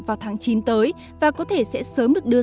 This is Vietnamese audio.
vào tháng chín tới và có thể sẽ sớm được đưa